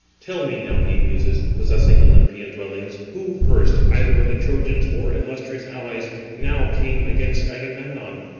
Tell me now, ye muses, possessing Olympian dwellings, who first, either of the Trojans or illustrious allies, now came against Agamemnon?